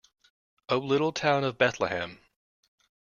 O little town of Bethlehem.